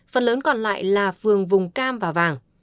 phần lớn còn lại là phường vùng cam và vàng